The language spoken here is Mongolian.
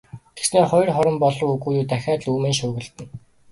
Тэгснээ хоёр хором болов уу, үгүй юу дахиад л үймэн шуугилдана.